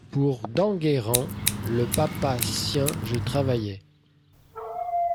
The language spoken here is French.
Pour d’Enguerrand le papa sien je travaillais.